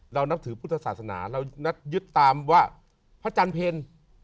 นับถือพุทธศาสนาเรานัดยึดตามว่าพระจันทร์เพล